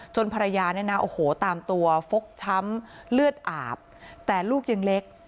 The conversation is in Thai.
จนภรรยาตามตัวฟกช้ำเลือดอาบแต่ลูกยังเล็ก